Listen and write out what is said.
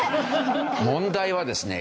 問題はですね